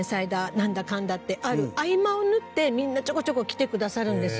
なんだかんだってある合間を縫ってみんなちょこちょこ来てくださるんです。